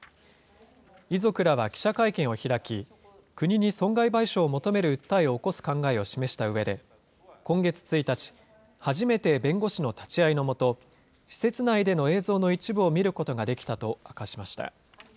遺族らは記者会見を開き、国に損害賠償を求める訴えを起こす考えを示したうえで、今月１日、初めて弁護士の立ち会いの下、施設内での映像の一部を見ることができたと明かしました。